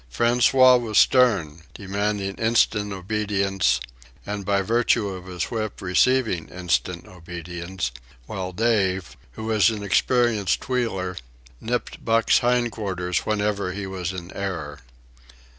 François was stern, demanding instant obedience, and by virtue of his whip receiving instant obedience; while Dave, who was an experienced wheeler, nipped Buck's hind quarters whenever he was in error.